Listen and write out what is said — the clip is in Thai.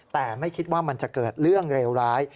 แต่ไม่คิดว่ามันจะเกิดเรื่องเลวร้าย